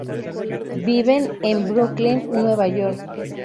Viven en Brooklyn, Nueva York.